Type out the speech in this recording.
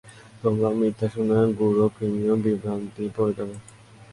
তোমার মিথ্যা শুনে গুড়ো কৃমিও বিভ্রান্তি পড়ে যাবে।